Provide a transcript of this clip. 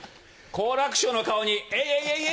好楽師匠の顔にえいえい！